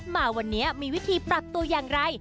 มาวันนี้มีวิธีปรับตัวอย่างไร